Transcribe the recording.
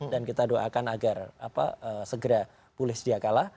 dan kita doakan agar segera pulih setiap kalah